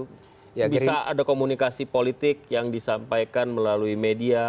bisa ada komunikasi politik yang disampaikan melalui media